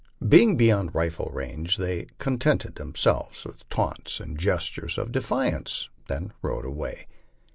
Being beyond rifle range, they contented themselves with taunts and gestures of defiance, then rode away.